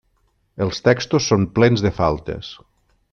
Els textos són plens de faltes.